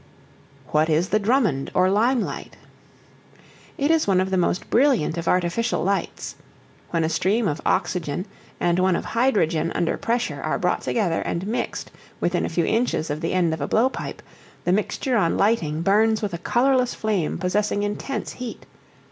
What is the Drummond or Lime Light? It is one of the most brilliant of artificial lights. When a stream of oxygen and one of hydrogen under pressure are brought together and mixed within a few inches of the end of a blowpipe, the mixture on lighting burns with a colorless flame possessing intense heat.